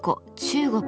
中国